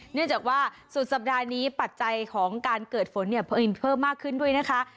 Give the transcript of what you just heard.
เนื่องจากว่าสุดสัปดาห์นี้ปัจจัยของการเกิดฝนเนี่ยเพิ่มมากขึ้นด้วยนะคะ